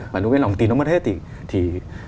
và nếu cái lòng tin nó mất hết thì